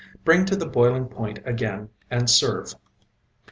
Bring to boiling point again, and serve.